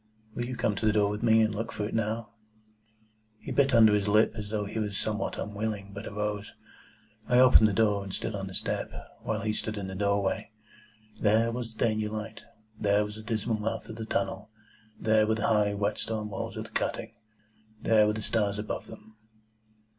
"Will you come to the door with me, and look for it now?" He bit his under lip as though he were somewhat unwilling, but arose. I opened the door, and stood on the step, while he stood in the doorway. There was the Danger light. There was the dismal mouth of the tunnel. There were the high, wet stone walls of the cutting. There were the stars above them.